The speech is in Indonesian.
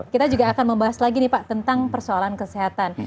kita juga akan membahas lagi nih pak tentang persoalan kesehatan